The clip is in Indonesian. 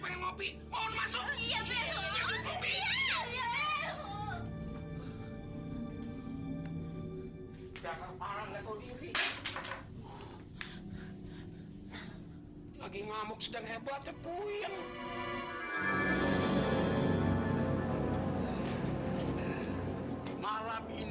pak apa yang melamun